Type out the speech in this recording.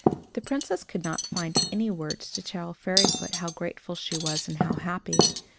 The Princess could not find any words to tell Fairyfoot how grateful she was and how happy.